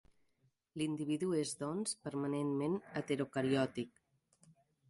L'individu és, doncs, permanentment heterocariòtic.